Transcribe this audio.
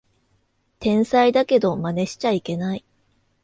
天才だけどマネしちゃいけない